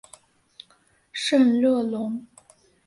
圣热龙。